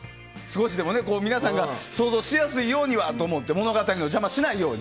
少しでも皆さんが想像しやすいようにはと思って物語の邪魔しないように。